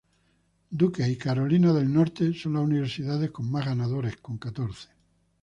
Duke y North Carolina son las universidades con más ganadores con catorce.